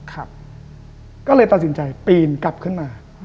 ก็เลยตัดสินใจปีนกลับขึ้นมา